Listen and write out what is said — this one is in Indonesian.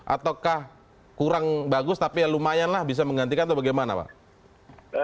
ataukah kurang bagus tapi ya lumayan lah bisa menggantikan atau bagaimana pak